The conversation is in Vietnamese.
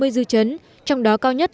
hai trăm sáu mươi dư chấn trong đó cao nhất